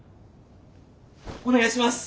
お願いします！